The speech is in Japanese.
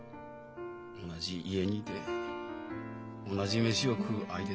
同じ家にいて同じ飯を食う相手です。